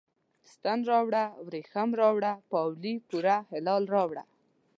ستن راوړه، وریښم راوړه، پاولي پوره هلال راوړه